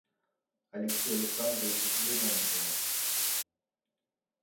Алексей Александрович взглянул на него.